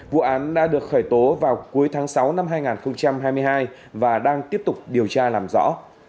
vụ án đã được khởi tố vào cuối tháng sáu năm hai nghìn hai mươi hai và đang tiếp tục điều tra làm rõ